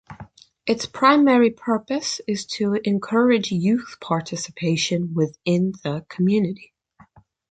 Its primary purpose is to encourage youth participation within the community.